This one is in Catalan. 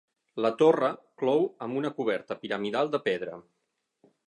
La torre clou amb una coberta piramidal de pedra.